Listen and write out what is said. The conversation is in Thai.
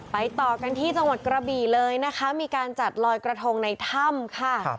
ต่อกันที่จังหวัดกระบี่เลยนะคะมีการจัดลอยกระทงในถ้ำค่ะ